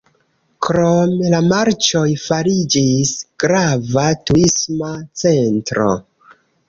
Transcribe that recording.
Krome, la marĉoj fariĝis grava turisma centro.